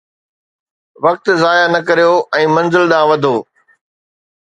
وقت ضايع نه ڪريو ۽ منزل ڏانهن وڌو